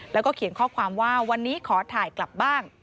แล้วก็เขียนข้อความว่าวันนี้ขอถ่ายกลับบ้าง